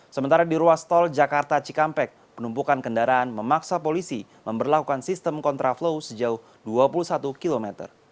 sementara di ruas tol jakarta cikampek penumpukan kendaraan memaksa polisi memperlakukan sistem kontraflow sejauh dua puluh satu km